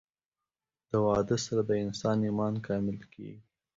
د واده سره د انسان ايمان کامل کيږي